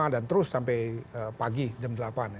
dan terus sampai pagi jam delapan